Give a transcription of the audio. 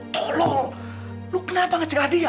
tolong lu kenapa ngecegah dia